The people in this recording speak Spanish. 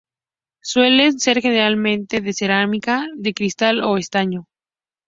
Suelen ser generalmente de cerámica, de cristal o estaño.